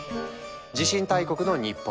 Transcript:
地震大国の日本。